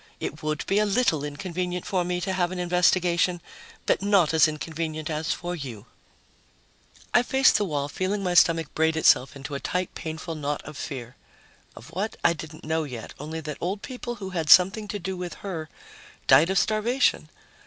It would be a little inconvenient for me to have an investigation ... but not as inconvenient as for you." I faced the wall, feeling my stomach braid itself into a tight, painful knot of fear. Of what, I didn't know yet, only that old people who had something to do with her died of starvation.